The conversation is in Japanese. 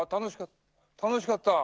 楽しかった。